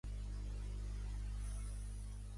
Albert Vivancos Roig és un futbolista nascut a Bescanó.